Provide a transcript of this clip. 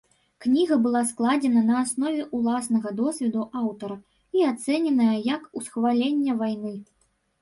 Кніга была складзена на аснове ўласнага досведу аўтара і ацэненая як усхваленне вайны.